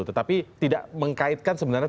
tetapi tidak mengkaitkan sebenarnya